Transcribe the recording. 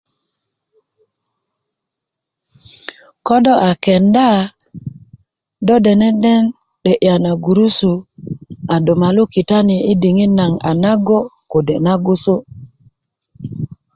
ko do a kenda do dene den 'de'ya na gurusu a do molu kitani yi diŋit nagoŋ a nago' kode' nagusu'